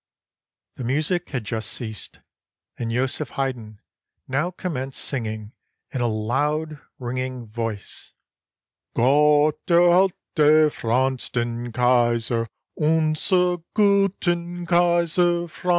The music had just ceased, and Joseph Haydn now commenced singing in a loud, ringing voice, — "Gott erhalte Franz den Kaiser, Unsern guten Kaiser Franz!"